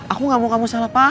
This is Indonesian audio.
aku gak mau kamu salah pak